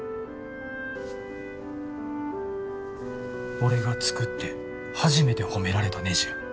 俺が作って初めて褒められたねじや。